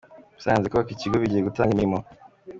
Musanze: Kubaka ikigo bigiye gutanga imirimo.